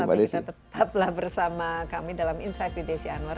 tapi kita tetaplah bersama kami dalam insight with desi anwar